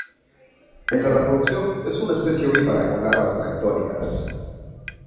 En la reproducción es una especie ovípara, con larvas planctónicas.